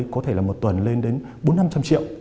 có thể là một tuần lên đến bốn trăm linh năm trăm linh triệu